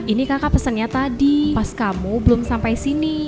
ini kakak pesannya tadi pas kamu belum sampai sini